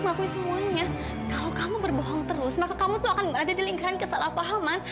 maka kamu tuh akan berada di lingkaran kesalahpahaman